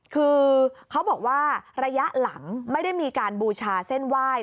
คือเขาบอกว่าระยะหลังไม่ได้มีการบูชาเส้นไหว้